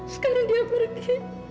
sekarang dia pergi